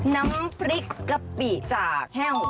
น้ำพริกกะปิจากแห้ว